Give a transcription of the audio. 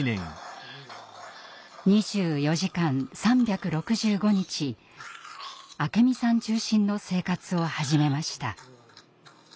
２４時間３６５日明美さん中心の生活を始めました。